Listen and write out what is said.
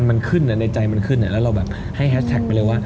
มันขึ้นในใจมันขึ้นแล้วเราแบบให้แฮชแท็กไปเลยว่า